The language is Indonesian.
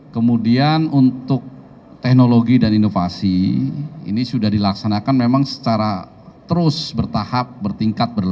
kemudian untuk teknologi dan inovasi ini sudah dilaksanakan memang secara terus bertahap bertingkat berlaku